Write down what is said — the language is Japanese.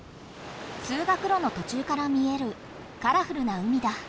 通学ろのとちゅうから見えるカラフルな海だ。